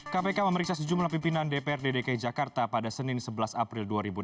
kpk memeriksa sejumlah pimpinan dprd dki jakarta pada senin sebelas april dua ribu delapan belas